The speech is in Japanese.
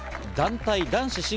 団体男子